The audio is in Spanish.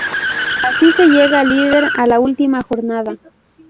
Así, se llega líder a la última jornada.